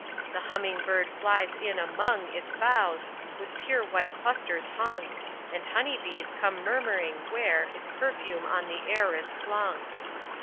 The humming bird flies in among Its boughs, with pure white clusters hung, And honey bees come murmuring, where Its perfume on the air is flung.